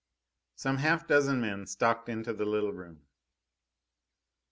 Some half dozen men stalked into the little room.